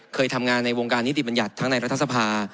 เคยทำงานในวงการนิติบัญญัติทั้งในรัฐสภา